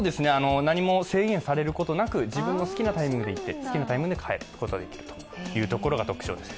何も制限されることなく、自分の好きなタイミングで行って好きなタイミングで帰ることができるというところが特徴です。